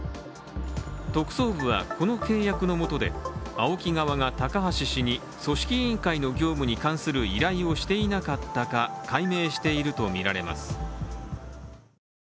特捜部はこの契約のもとで、ＡＯＫＩ側が高橋氏に組織委員会の業務に関する依頼をしていなかったか解明しているとみられます。